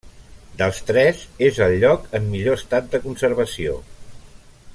Dels tres és el lloc en millor estat de conservació.